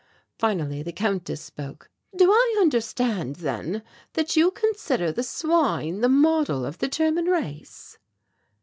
Finally the Countess spoke: "Do I understand, then, that you consider the swine the model of the German race?"